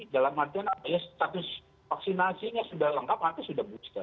dalam artian status vaksinasinya sudah lengkap atau sudah buka